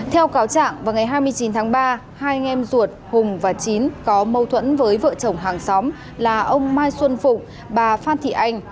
theo cáo trạng vào ngày hai mươi chín tháng ba hai anh em ruột hùng và chín có mâu thuẫn với vợ chồng hàng xóm là ông mai xuân phụng bà phan thị anh